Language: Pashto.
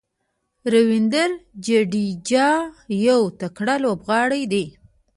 راوېندر جډیجا یو تکړه لوبغاړی دئ.